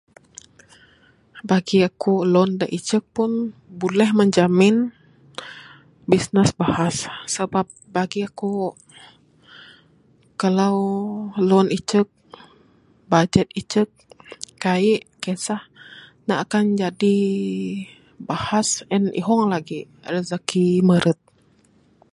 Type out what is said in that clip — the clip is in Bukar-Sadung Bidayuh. Bagi aku loan da icek pun buleh menjamin bisnes bahas sabab bagi aku kalau loan icek bajet icek kaik kesah ne akan jadi bahas and ihong lagi rezeki meret.